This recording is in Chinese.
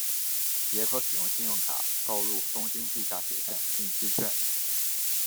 也可使用信用卡购入东京地下铁线定期券。